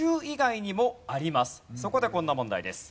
そこでこんな問題です。